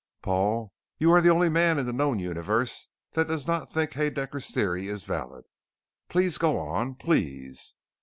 "Paul, you are the only man in the known universe that does not think Haedaecker's Theory is valid. Please go on please?"